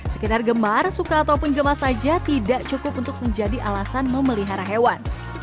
sekedar gemar suka ataupun gemar saja tidak cukup untuk menjadi alasan memelihara hewan